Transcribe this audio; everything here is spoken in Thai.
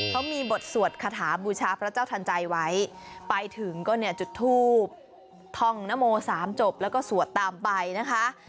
เขามีบทสวดคาถาบูชาพระเจ้าทันใจไว้ไปถึงก็เนี่ยจุดทูบท่องนโมสามจบแล้วก็สวดตามไปนะคะ